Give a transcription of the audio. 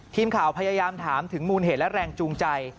ทีมข่าวพยายามถามถึงมูลเหตุและแรงจูงใจ